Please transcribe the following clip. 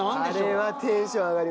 あれはテンション上がりますね。